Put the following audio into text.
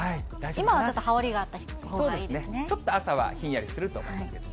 今はちょっと羽織があったほうがちょっと朝はひんやりすると思います。